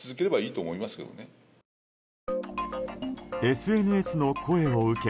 ＳＮＳの声を受け